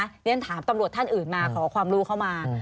เรียนถามตำรวจท่านอื่นมาขอความรู้เข้ามา